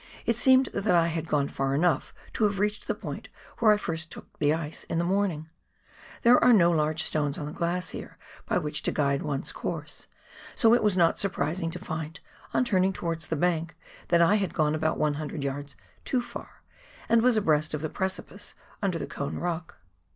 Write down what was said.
it seemed that I had gone far enough to have reached the point where I first took the ice in the morning. There are no large stones on the glacier by which to guide one's course, so it was not surprising to find, on turning towards the bank, that I had gone about 100 yards too far, and was abreast of the precipice under the Cone Eock.